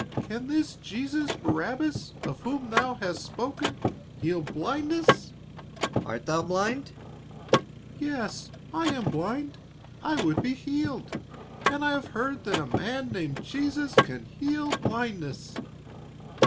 Can this Jesus Barabbas of whom thou hast spoken heal blindness?" "Art thou blind?" "Yes I am blind; I would be healed, and I have heard that a man named Jesus can heal blindness."